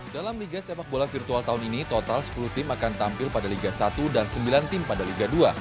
dalam liga sepak bola virtual tahun ini total sepuluh tim akan tampil pada liga satu dan sembilan tim pada liga dua